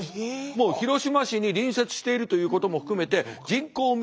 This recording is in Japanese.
もう広島市に隣接しているということも含めて人口密度が非常に高い。